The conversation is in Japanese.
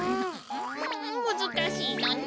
むずかしいのね！